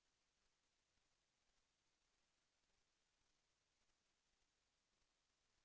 แสวได้ไงของเราก็เชียนนักอยู่ค่ะเป็นผู้ร่วมงานที่ดีมาก